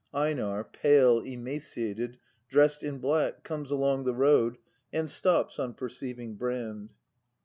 EiNAR, 'pale, emaciated, dressed in black, comes along the road and stops on perceiving Brand.